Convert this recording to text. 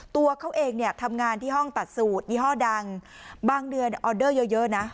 ตัวเขาเองเนี่ยทำงานที่ห้องตัดสูตรยี่ห้อดังบางเดือนออเดอร์เยอะเยอะนะ